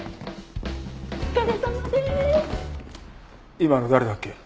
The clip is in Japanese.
今の誰だっけ？